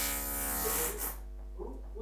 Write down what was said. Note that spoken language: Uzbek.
Ularni yomonlikdan qaytarguvchi aqllari ham yo‘q